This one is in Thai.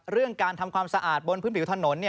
เรื่องการทำความสะอาดบนพื้นผิวถนน